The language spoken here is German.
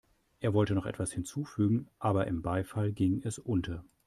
Er wollte noch etwas hinzufügen, aber im Beifall ging es unter.